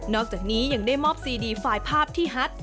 อกจากนี้ยังได้มอบซีดีไฟล์ภาพที่ฮัต